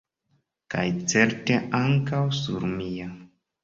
Kaj certe ankaŭ sur mia.